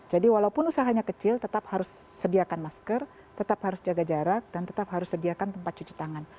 jadi walaupun usahanya kecil tetap harus sediakan masker tetap harus jaga jarak dan tetap harus sediakan tempat cuci tangan